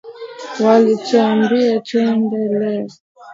walituambia twende leo